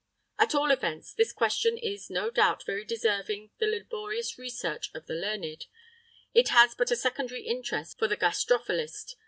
[III 49] At all events this question is no doubt very deserving the laborious search of the learned; it has but a secondary interest for the gastrophilist.